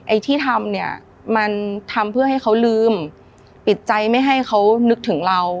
ไอ้ที่ทำเนี่ยมันทำเพื่อให้เขาลืมปิดใจไม่ให้เขานึกถึงเรา